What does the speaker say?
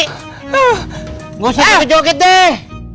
nggak usah ngejoget deh